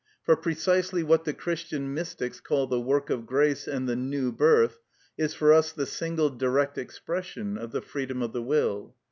For precisely what the Christian mystics call the work of grace and the new birth, is for us the single direct expression of the freedom of the will.